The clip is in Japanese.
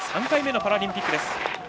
３回目のパラリンピック。